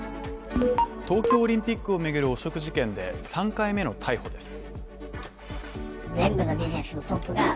東京オリンピックを巡る汚職事件で３回目の逮捕です。